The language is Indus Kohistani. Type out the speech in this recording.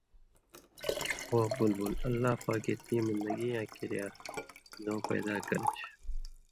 وہ بلبل اللہ پاکے تئیں بندگی یاں کریا زؤں پیدا کرہ چھے